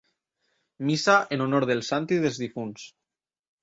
Missa en honor del Sant i dels difunts.